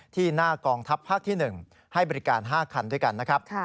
ที่หน้ากองทัพภาคที่๑ให้บริการ๕คันด้วยกันนะครับ